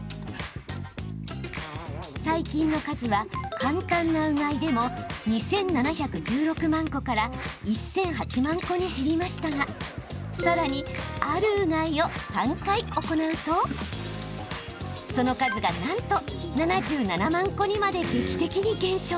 細菌の数は、簡単なうがいでも２７１６万個から１００８万個に減りましたがさらにある、うがいを３回行うとその数がなんと７７万個にまで劇的に減少。